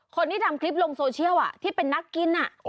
คนที่ทำคลิปลงโซเชียลที่เป็นนักกิน